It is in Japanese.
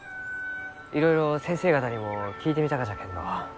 いろいろ先生方にも聞いてみたがじゃけんど